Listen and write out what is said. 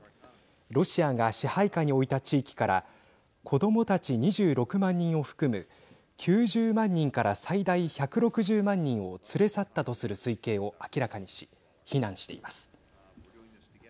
ロシアが支配下に置いた地域から子どもたち２６万人を含む９０万人から最大１６０万人を連れ去ったとする推計を明らかにし非難しています。